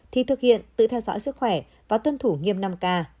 thì thực hiện tự theo dõi sức khỏe và tuân thủ nghiêm năm k